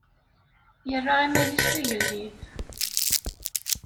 Yerra iman-is d agellid.